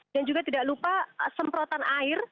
dan juga tidak lupa semprotan air